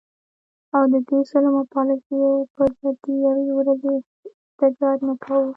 او د دې ظلم او پالیسو په ضد د یوې ورځي احتجاج نه کوو